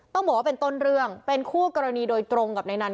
ต้องบอกว่าเป็นต้นเรื่องเป็นคู่กรณีโดยตรงกับในนั้น